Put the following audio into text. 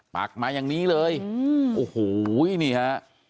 ปักมายังนี้เลยอ๋อโหอ้ยนี่ฮะ